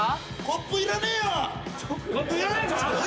コップいらねえか？